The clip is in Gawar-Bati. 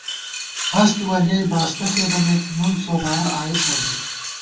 ہست ولیَئی باستہ فېدَمېت نُون سوبارہ آئېسا ژَئی